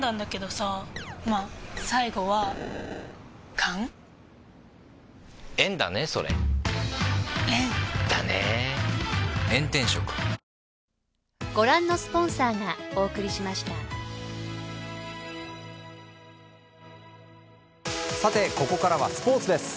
「ＧＯＬＤ」もさて、ここからはスポーツです。